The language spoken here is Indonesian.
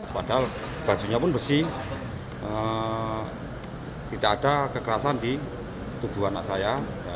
padahal bajunya pun bersih tidak ada kekerasan di tubuh anak saya